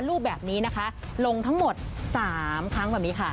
รูปแบบนี้นะคะลงทั้งหมด๓ครั้งแบบนี้ค่ะ